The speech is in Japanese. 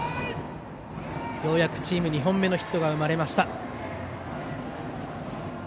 ようやくチームに２本目のヒットが生まれました。